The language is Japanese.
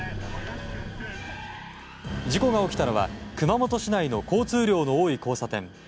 事故が起きたのは熊本市内の交通量の多い交差点。